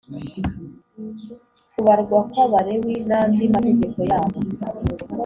Kubarwa kw abalewi n andi mategeko yabo